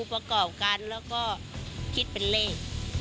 ประกอบกันแล้วก็คิดเป็นเลข